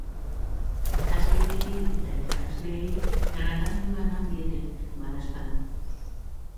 Ikaskideei eta irakasleei tratamendua eman diete, badaezpada.